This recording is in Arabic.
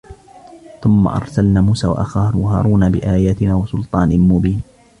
ثُمَّ أَرْسَلْنَا مُوسَى وَأَخَاهُ هَارُونَ بِآيَاتِنَا وَسُلْطَانٍ مُبِينٍ